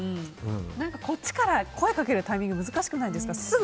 こっちから声かけるタイミング難しくないですか？